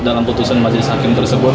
dalam putusan majelis hakim tersebut